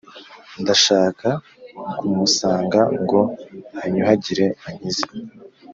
Ndashaka kumusanga ngo anyuhagire ankize